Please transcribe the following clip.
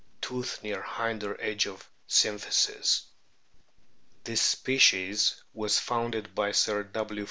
Tooth near hinder edge of symphysis. This species was founded by Sir W.